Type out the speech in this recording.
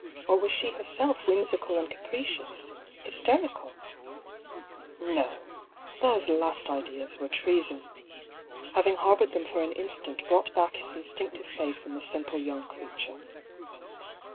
Or was she herself whimsical and capricious —" hysterical "? No ! Those last ideas were treason. Having harboured them for an instant brought back his instinctive faith in the simple young creature.